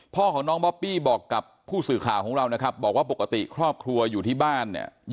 พ่อของน้องบ๊อปปี้บอกกับผู้สื่อข่าวของเรานะครับบอกว่าปกติครอบครัวอยู่ที่บ้านเนี่ย